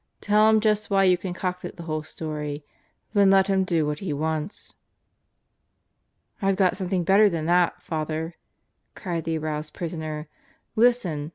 Tell him just why you con cocted the whole story. Then let him do what he wants." "I've got something better than that, Father 1" cried the aroused prisoner. "Listen.